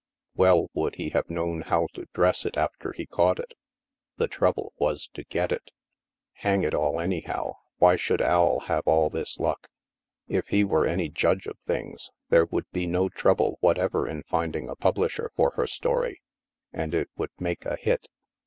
Well would he have known how to dress it after he caught it; the trouble was to get it. Hang it all, anyhow, why should Al have all this luck? If he were any judge of things, there would be no trouble whatever in finding a publisher for her story, and it would make a hit.